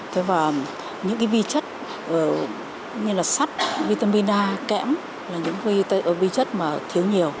thế và những cái vi chất như là sắt vitamin a kẽm là những vi chất mà thiếu nhiều